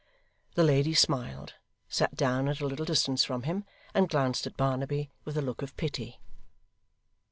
The lady smiled, sat down at a little distance from him, and glanced at Barnaby with a look of pity.